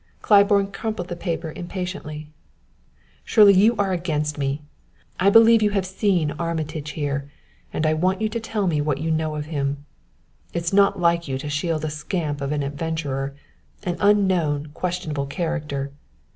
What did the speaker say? Claiborne crumpled the paper impatiently. "Shirley, you are against me! I believe you have seen Armitage here, and I want you to tell me what you know of him. It is not like you to shield a scamp of an adventurer an unknown, questionable character.